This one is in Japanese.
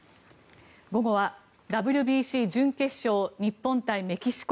午後はＷＢＣ準決勝、日本対メキシコ。